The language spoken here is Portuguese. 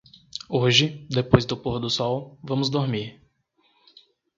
hoje, depois do pôr-do-sol, vamos dormir.